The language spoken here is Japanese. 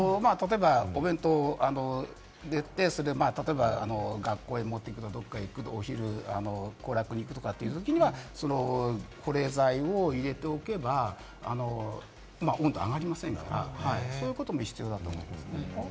お弁当入れて、例えば学校へ持っていく、どこか行く、お昼、行楽に行くというときには保冷剤を入れておけば、温度は上がりませんからそういうことも必要だと思います。